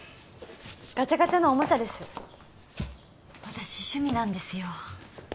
ガチャガチャのオモチャです私趣味なんですよ